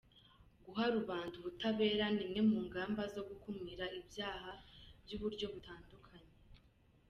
Guha rubanda ubutabera ni imwe mu ngamba zo gukumira ibyaha by’uburyo butandukanye."